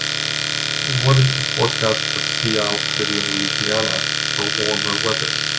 what is the forecast for Sea Isle City in Louisiana for warmer weather